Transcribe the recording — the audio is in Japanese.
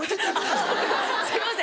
すいません。